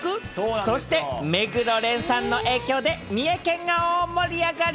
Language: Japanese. そして目黒蓮さんの影響で三重県が大盛り上がり。